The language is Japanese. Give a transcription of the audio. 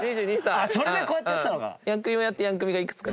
それでこうやってたのか。